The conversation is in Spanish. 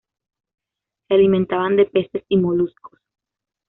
Se alimentaban de peces y moluscos.